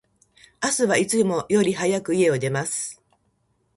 明日は、いつもより早く、家を出ます。